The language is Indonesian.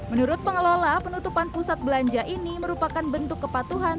menurut pengelola penutupan pusat belanja ini merupakan bentuk kepatuhan